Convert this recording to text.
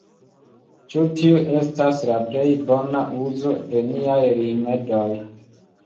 Ĉu tiu estas la plej bona uzo de niaj rimedoj?